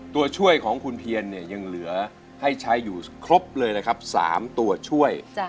ตัวช่วยของคุณเพียรเนี่ยยังเหลือให้ใช้อยู่ครบเลยนะครับ๓ตัวช่วย